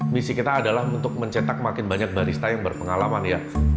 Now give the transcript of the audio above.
misi kita adalah untuk mencetak makin banyak barista yang berpengalaman ya